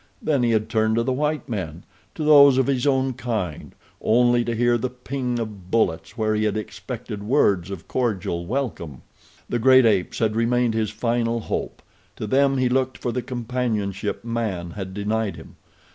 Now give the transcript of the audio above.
Then he had turned to the white men—to those of his own kind—only to hear the ping of bullets where he had expected words of cordial welcome. The great apes had remained his final hope. To them he looked for the companionship man had denied him.